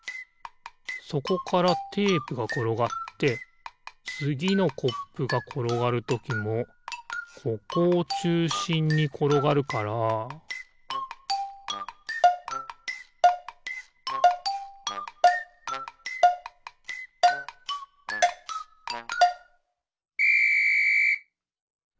そこからテープがころがってつぎのコップがころがるときもここをちゅうしんにころがるからピッ！